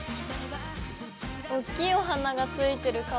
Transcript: おっきいお花が付いてる！